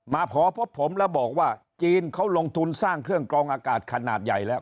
มาขอพบผมแล้วบอกว่าจีนเขาลงทุนสร้างเครื่องกรองอากาศขนาดใหญ่แล้ว